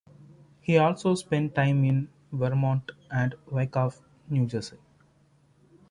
He also spent time in Vermont and in Wyckoff, New Jersey.